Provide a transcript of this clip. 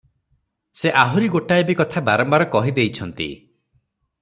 ସେ ଆହୁରି ବି ଗୋଟାଏ କଥା ବାରମ୍ବାର କରି କହି ଦେଇଛନ୍ତି ।